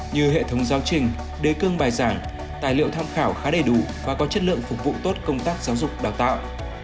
như hệ thống giáo trình đề cương bài giảng tài liệu tham khảo khá đầy đủ và có chất lượng phục vụ tốt công tác giáo dục đào tạo